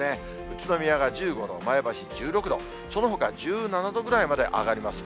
宇都宮が１５度、前橋１６度、そのほか１７度くらいまで上がります。